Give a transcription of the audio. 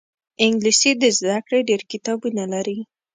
انګلیسي د زده کړې ډېر کتابونه لري